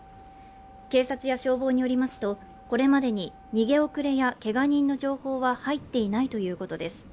警察や消防によりますとこれまでに逃げ遅れやけが人の情報は入っていないということです